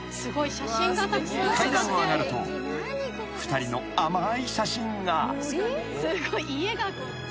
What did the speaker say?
［階段を上がると２人の甘い写真が］